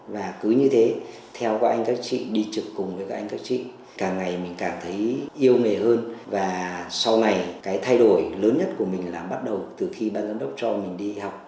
và cứ như thế theo các anh các chị đi trực cùng với các anh các chị càng ngày mình cảm thấy yêu nghề hơn và sau này cái thay đổi lớn nhất của mình là bắt đầu từ khi ban giám đốc cho mình đi học